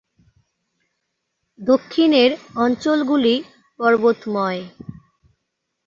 দক্ষিণের অঞ্চলগুলি পর্বতময়।